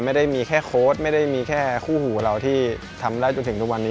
ไม่ได้มีแค่โค้ดไม่ได้มีแค่คู่หูเราที่ทำได้จนถึงทุกวันนี้